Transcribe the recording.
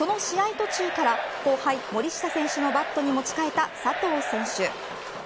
途中から後輩森下選手のバットに持ちかえた佐藤選手。